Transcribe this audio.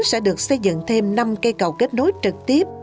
sẽ được xây dựng thêm năm cây cầu kết nối trực tiếp